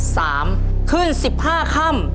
สามขึ้นสิบห้าค่ำ